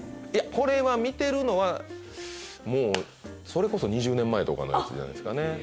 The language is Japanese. いやこれは見てるのはもうそれこそ２０年前とかのやつじゃないですかね。